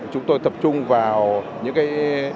chúng tôi tập trung vào những cái